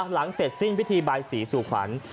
หลังเสร็จสิ้นพิธีบายศรีสู่ขวัญ